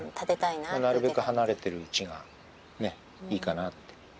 なるべく離れてる家がいいかなって。